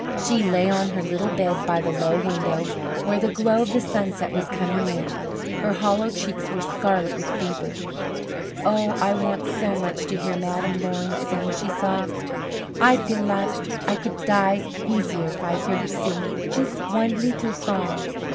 She lay on her little bed by the low window, where the glow of the sunset was coming in; her hollow cheeks were scarlet with fever. "Oh! I want so much to hear Madame Laurin sing," she sobbed. "I feel lak I could die easier if I hear her sing just one leetle song.